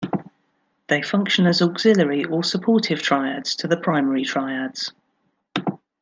They function as auxiliary or supportive triads to the primary triads.